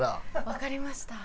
わかりました。